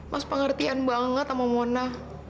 mas pengertian banget sama mona